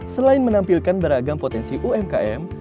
selain menampilkan beragam potensi umkm